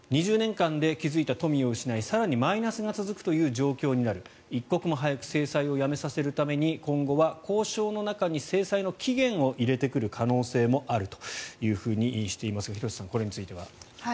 ２０年間で築いた富を失い更にマイナスが続くという状況になる一刻も早く制裁をやめさせるために今後は交渉の中に制裁の期限を入れてくる可能性もあるとしていますが廣瀬さん、これについては。